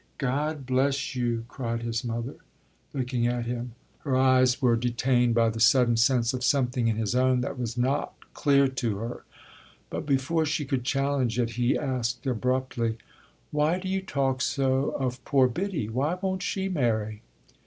"God bless you!" cried his mother, looking up at him. Her eyes were detained by the sudden sense of something in his own that was not clear to her; but before she could challenge it he asked abruptly: "Why do you talk so of poor Biddy? Why won't she marry?"